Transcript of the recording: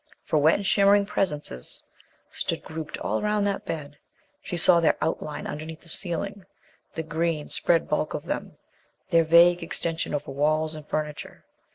For wet and shimmering presences stood grouped all round that bed. She saw their outline underneath the ceiling, the green, spread bulk of them, their vague extension over walls and furniture.